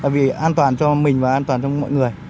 vì an toàn cho mình và an toàn cho mọi người